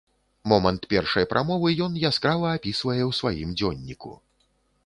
Момант першай прамовы ён яскрава апісвае ў сваім дзённіку.